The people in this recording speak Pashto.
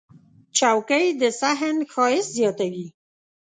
چوکۍ د صحن ښایست زیاتوي.